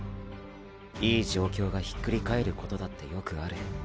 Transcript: いい状況がひっくり返ることだってよくある。